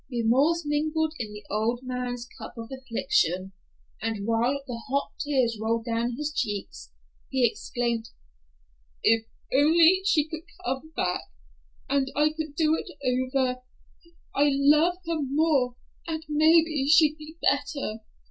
Remorse mingled in the old man's cup of affliction, and while the hot tears rolled down his cheeks he exclaimed, "If she could only come back and I could do it over, I'd love her more, and maybe she'd be better.